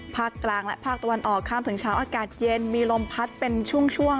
ภาคกลางและภาคตะวันออกข้ามถึงเช้าอากาศเย็นมีลมพัดเป็นช่วง